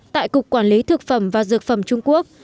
tại cục quản lý thực phẩm và dược phẩm trung quốc